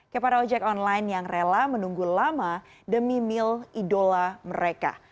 kepada ojek online yang rela menunggu lama demi meal idola mereka